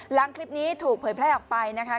หลังคลิปนี้ถูกเผยแพร่ออกไปนะคะ